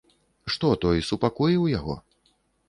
Што той супакоіў яго?